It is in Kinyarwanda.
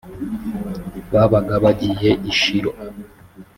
babaga bagiye i shilo